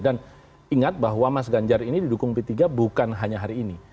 dan ingat bahwa mas ganjar ini didukung p tiga bukan hanya hari ini